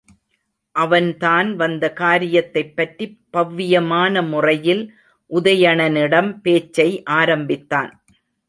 அவன் தான் வந்த காரியத்தைப் பற்றிப் பவ்வியமான முறையில் உதயணனிடம் பேச்சை ஆரம்பித்தான்.